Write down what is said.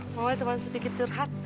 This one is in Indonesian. mamanya teman sedikit curhat